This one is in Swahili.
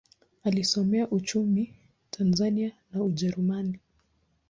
Alisomea uchumi Tanzania na Ujerumani.